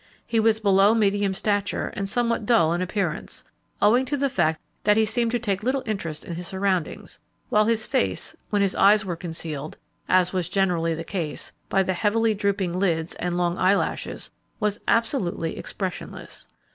He was below medium stature and somewhat dull in appearance, owing to the fact that he seemed to take little interest in his surroundings, while his face, when his eyes were concealed, as was generally the case, by the heavily drooping lids and long eyelashes, was absolutely expressionless.